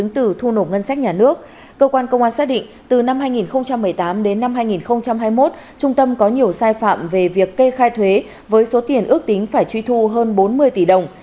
trung tâm có nhiều sai phạm về việc kê khai thuế với số tiền ước tính phải truy thu hơn bốn mươi tỷ đồng